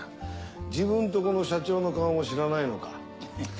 自分とこの社長の顔も知らないのか。